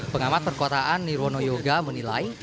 pengamat perkotaan nirwono yoga menilai